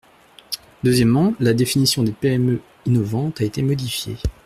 Deuxièmement, la définition des PME innovantes a été modifiée.